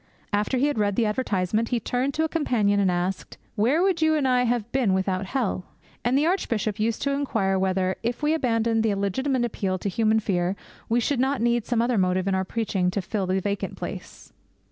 After he had read the advertisement he turned to a companion and asked, 'Where would you and I have been without hell?' And the Archbishop used to inquire whether, if we abandoned the legitimate appeal to human fear, we should not need some other motive in our preaching to fill the vacant place.